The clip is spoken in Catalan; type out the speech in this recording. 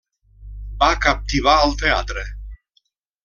Va captivar el teatre.